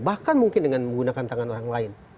bahkan mungkin dengan menggunakan tangan orang lain